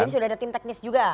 jadi sudah ada tim teknis juga